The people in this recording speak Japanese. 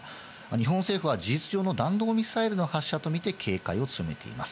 日本政府は事実上の弾道ミサイルの発射と見て警戒を強めています。